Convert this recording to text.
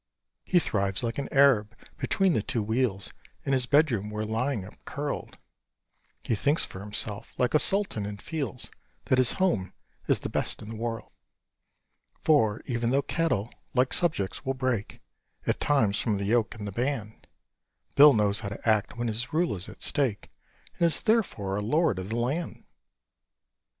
He thrives like an Arab. Between the two wheels Is his bedroom, where, lying up curled, He thinks for himself, like a sultan, and feels That his home is the best in the world. For, even though cattle, like subjects, will break At times from the yoke and the band, Bill knows how to act when his rule is at stake, And is therefore a lord of the land.